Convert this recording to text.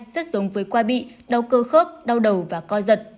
rất giống với qua bị đau cơ khớp đau đầu và co giật